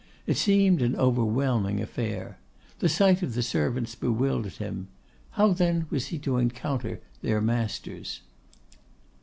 It seemed an overwhelming affair. The sight of the servants bewildered him; how then was he to encounter their masters?